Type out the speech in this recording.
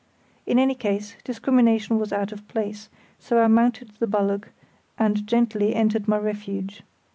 In any case, discrimination was out of place, so I mounted the bulwark and gently entered my refuge.